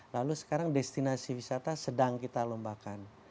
lalu sekarang destinasi wisata sedang kita lombakan